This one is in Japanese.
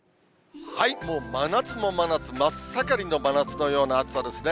もう真夏も真夏、真っ盛りの真夏のような暑さですね。